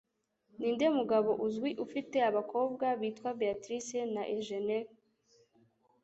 Ninde mugabo uzwi ufite abakobwa bitwa Beatrice na Eugene